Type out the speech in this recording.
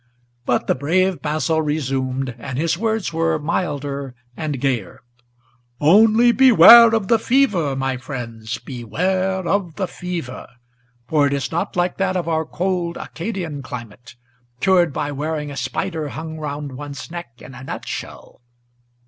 But the brave Basil resumed, and his words were milder and gayer: "Only beware of the fever, my friends, beware of the fever! For it is not like that of our cold Acadian climate, Cured by wearing a spider hung round one's neck in a nutshell!"